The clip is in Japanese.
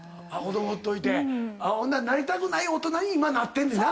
ほんならなりたくない大人に今なってんねな。